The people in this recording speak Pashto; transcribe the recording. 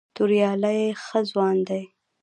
توریالی ښه ځوان دی.